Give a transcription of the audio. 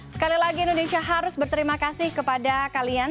sekali lagi indonesia harus berterima kasih kepada kalian